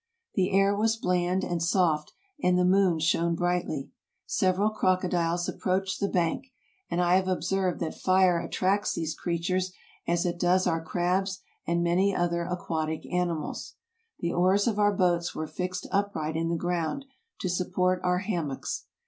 The air was bland and soft and the moon shone brightly. Several croc odiles approached the bank ; and I have observed that fire attracts these creatures as it does our crabs and many other aquatic animals. The oars of our boats were fixed upright in the ground, to support our hammocks.